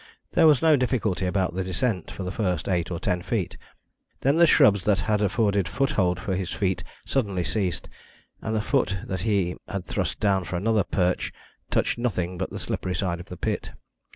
There was no difficulty about the descent for the first eight or ten feet. Then the shrubs that had afforded foothold for his feet suddenly ceased, and the foot that he had thrust down for another perch touched nothing but the slippery side of the pit.